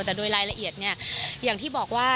แต่โดยรายละเอียดเนี่ยอย่างที่บอกว่า